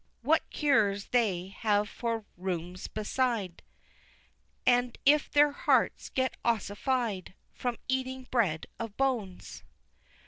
What cures they have for rheums beside, And if their hearts get ossified From eating bread of bones?